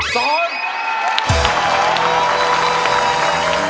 ขอบคุณครับ